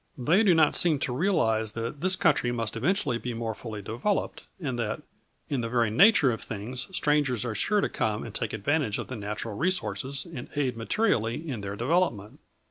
They do not seem to realize that this country must eventually be more fully developed, and that, in the very nature of things, strangers are sure to come and take advantage of the natural resources and aid materially in their development.